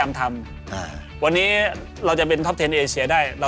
ในตอนที่เข้ามาเป็นโค้ดหนึ่ง